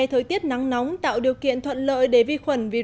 thời tiết nắng nóng tạo điều kiện thuận lợi để vi khuẩn virus